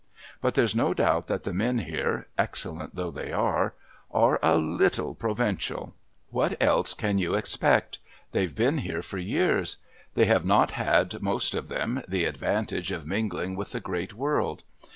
But there's no doubt that the men here, excellent though they are, are a little provincial. What else can you expect? They've been here for years. They have not had, most of them, the advantage of mingling with the great world.